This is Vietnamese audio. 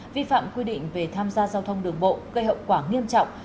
vi phạm quy định về tham gia giao thông đường bộ gây hậu quả nghiêm trọng